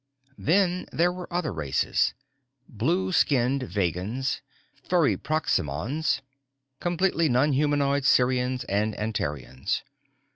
Then there were other races, blue skinned Vegans, furry Proximans, completely non humanoid Sirians and Antarians.